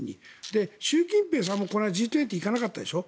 習近平さんもこの間Ｇ２０行かなかったでしょ